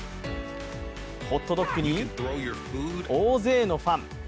ホットドッグに、大勢のファン。